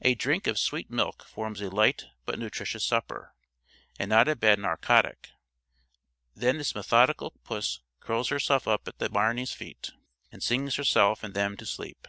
A drink of sweet milk forms a light but nutritious supper, and not a bad narcotic; then this methodical puss curls herself up at the "bairnies'" feet, and sings herself and them to sleep.